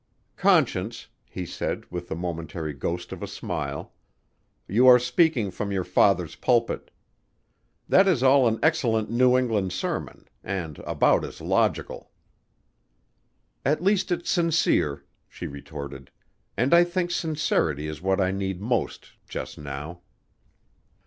"Conscience," he said with the momentary ghost of a smile, "you are speaking from your father's pulpit. That is all an excellent New England sermon and about as logical." "At least it's sincere," she retorted, "and I think sincerity is what I need most just now."